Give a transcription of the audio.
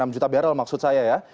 enam juta barrel maksud saya ya